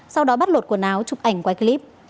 sau đó bắt lột quần áo chụp ảnh quay clip